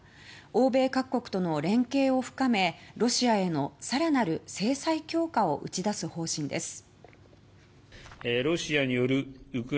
欧米各国との連携を深めロシアへの更なる制裁強化を打ち出す方針です。